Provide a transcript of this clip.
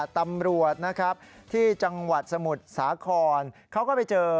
ตำรวจนะครับที่จังหวัดสมุทรสาครเขาก็ไปเจอ